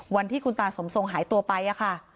วันที่คุณตาสมทรงหายตัวไปค่ะ